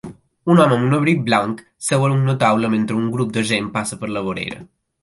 Un home amb un abric blanc seu a una taula mentre un grup de gent passa per la vorera